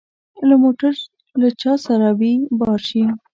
که موټر له چا سره وي بار شي.